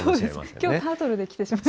きょうタートルで来てしまいました。